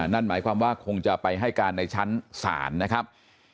นั่นหมายความว่าคงจะไปให้การในชั้นศาลนะครับ